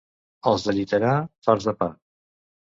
Els de Lliterà, farts de pa.